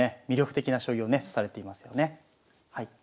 魅力的な将棋をね指されていますよね。